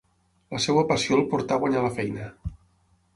La seva passió el portà a guanyar la feina.